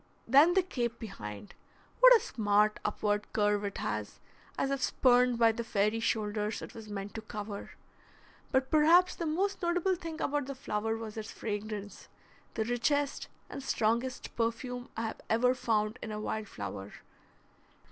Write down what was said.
Then the cape behind, what a smart upward curve it has, as if spurned by the fairy shoulders it was meant to cover! But perhaps the most notable thing about the flower was its fragrance, the richest and strongest perfume I have ever found in a wild flower.